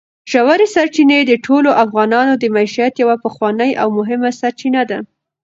ژورې سرچینې د ټولو افغانانو د معیشت یوه پخوانۍ او مهمه سرچینه ده.